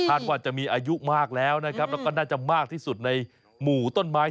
ว่าจะมีอายุมากแล้วนะครับแล้วก็น่าจะมากที่สุดในหมู่ต้นไม้